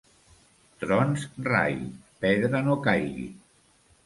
Trons rai, pedra no caigui.